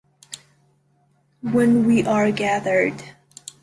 When We Are Gathered.